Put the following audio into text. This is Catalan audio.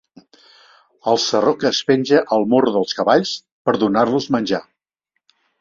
El sarró que es penja al morro dels cavalls per donar-los menjar.